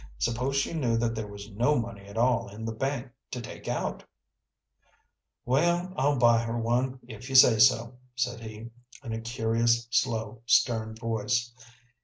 Suppose she knew that there was no money at all in the bank to take out? "Well, I'll buy her one if you say so," said he, in a curious, slow, stern voice.